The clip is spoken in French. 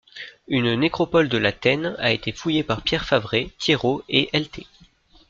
Une nécropole de La Tène a été fouillée par Pierre Favret, Thiérot et Lt.